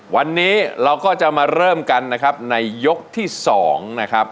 วันนี้เราก็จะมาเริ่มกันนะครับในยกที่๒นะครับ